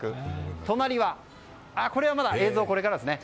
隣、これは映像はまだこれからですね。